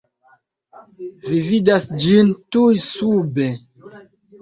Vi vidas ĝin tuj sube.